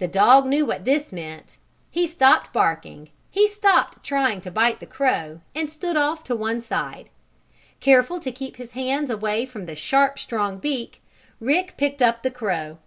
The dog knew what this meant. He stopped barking; he stopped trying to bite the crow, and stood off to one side. Careful to keep his hands away from the sharp, strong beak, Rick picked up the crow.